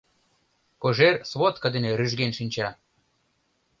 Кожер сводка дене рӱжген шинча.